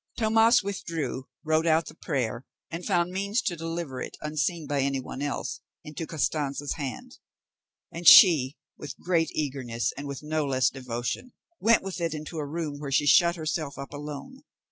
Tomas withdrew, wrote out the prayer, and found means to deliver it, unseen by any one else, into Costanza's hand; and she, with great eagerness, and no less devotion, went with it into a room, where she shut herself up alone.